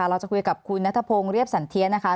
เราจะคุยกับคุณนัทพงศ์เรียบสันเทียนะคะ